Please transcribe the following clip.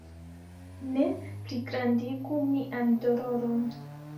Ne pligrandigu mian doloron!